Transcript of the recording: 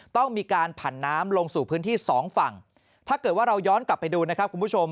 ต้องมีการผันน้ำลงสู่พื้นที่สองฝั่งถ้าเกิดว่าเราย้อนกลับไปดูนะครับคุณผู้ชม